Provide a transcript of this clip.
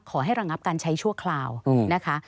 ขอให้ระงับการใช้ชั่วคราวนะคะ